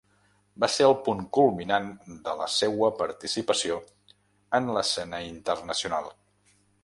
Va ser el punt culminant de la seua participació en l’escena internacional.